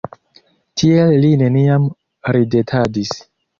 Tiel li neniam ridetadis.